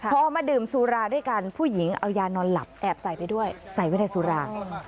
พอมาดื่มสุราด้วยกันผู้หญิงเอายานอนหลับแอบใส่ไปด้วยใส่ไว้ในสุรา